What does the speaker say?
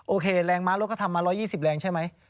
โอเคแรงม้ารถก็ทำมา๑๒๐แรงใช่ไหม